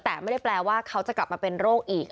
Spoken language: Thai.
แต่ไม่ได้แปลว่าเขาจะกลับมาเป็นโรคอีก